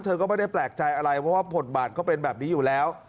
เธอก็ไม่ได้แปลกใจอะไรเพราะว่าบทบาทก็เป็นแบบนี้อยู่แล้ว